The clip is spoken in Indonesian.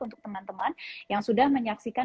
untuk teman teman yang sudah menyaksikan